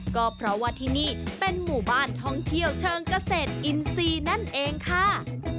ก็เพราะว่าที่นี่เป็นหมู่บ้านท่องเที่ยวเชิงเกษตรอินทรีย์นั่นเองค่ะ